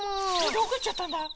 どこいっちゃったんだろ？